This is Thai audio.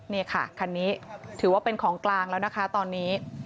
นี่ค่ะคันนี้ถือว่าเป็นของกลางแล้วนะคะตอนนี้